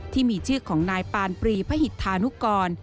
ที่มีชื่อของนายปานปรีพหิตธานุกร